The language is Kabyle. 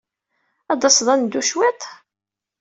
Ad d-taseḍ ad neddu cwiṭ?